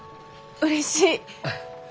うれしい。